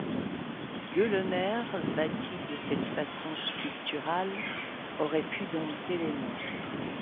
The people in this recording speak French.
Gueulemer, bâti de cette façon sculpturale, aurait pu dompter les monstres.